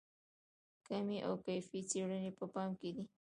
کمي او کیفي څېړنې په پام کې دي.